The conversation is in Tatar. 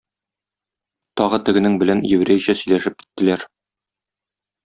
тагы тегенең белән еврейчә сөйләшеп киттеләр.